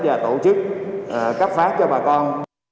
và tổ chức cấp phát cho bà con